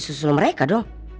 susul mereka dong